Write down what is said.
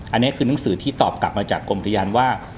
อันนี้คือหนังสือที่ตอบกลับมาจากกรมพยานว่า